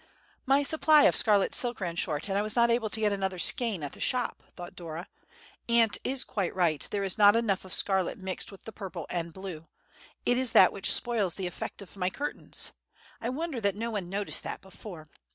"My supply of scarlet silk ran short, and I was not able to get another skein at the shop," thought Dora. "Aunt is quite right, there is not enough of scarlet mixed with the purple and blue; it is that which spoils the effect of my curtains. I wonder that no one noticed that before!